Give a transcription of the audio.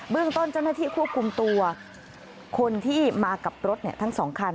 เรื่องต้นเจ้าหน้าที่ควบคุมตัวคนที่มากับรถทั้ง๒คัน